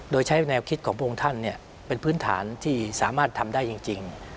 โดยใช้แนวคิดของพระองค์ท่านเป็นพื้นฐานที่สามารถทำได้จริง